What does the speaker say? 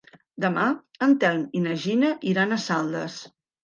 Demà en Telm i na Gina iran a Saldes.